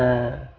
aku opa surya